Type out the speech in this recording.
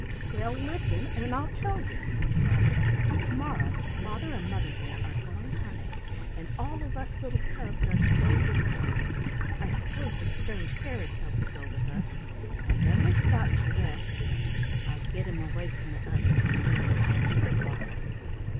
"Well, listen, and I'll tell you," said Sprawley. "To morrow Father and Mother Bear are going hunting, and all of us little cubs are to go with them. I suppose this strange fairy cub will go with us, and when we stop to rest I'll get him away from the others and near the edge of the water.